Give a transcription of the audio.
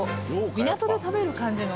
港で食べる感じの。